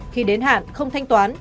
khi đến hạn không thanh toán